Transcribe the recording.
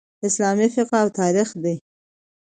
اسلامي فقه او تاریخ دئ.